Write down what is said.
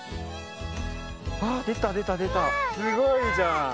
すごいじゃん。